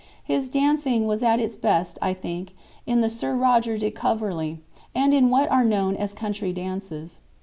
His dancing was at its best, I think, in the "Sir Roger de Coverly"—and in what are known as country dances.